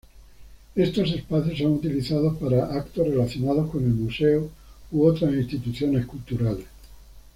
Estos espacios son utilizados para eventos relacionados con el museo u otras instituciones culturales.